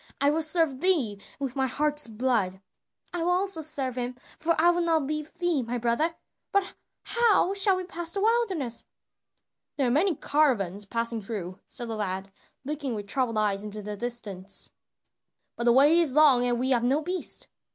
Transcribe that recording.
I will serve thee with my heart's blood." "I also will serve him, for I will not leave thee, my brother; but how shall we pass the wilderness?" "There are many caravans passing through," said the lad, looking with troubled eyes into the distance, "but the way is long and we have no beast."